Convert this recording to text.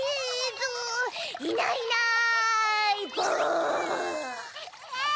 いないいないばぁ！